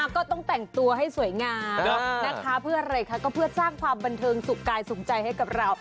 ก็ต้องแต่งตัวให้สวยงามนะคะเพื่ออะไรคะก็เพื่อสร้างความบันเทิงสุขกายสุขใจให้กับเรา